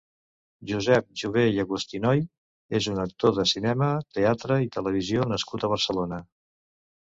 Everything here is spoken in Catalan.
Josep Jové i Agustinoy és un actor de cinema, teatre i televisió nascut a Barcelona.